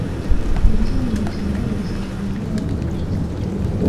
Yakinnye imikino y’abakinnyi beza batoranyijwe